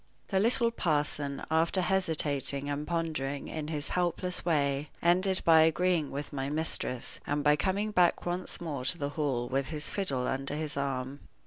The little parson, after hesitating and pondering in his helpless way, ended by agreeing with my mistress, and by coming back once more to the Hall with his fiddle under his arm.